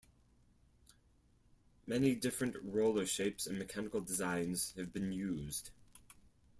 Many different roller shapes and mechanical designs have been used.